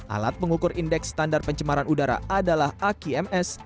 alat pengukur indeks standar pencemaran udara adalah aki ms